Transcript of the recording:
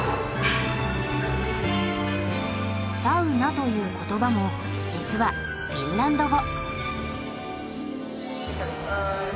サウナという言葉も実はフィンランド語。